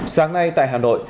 sáng nay tại hà nội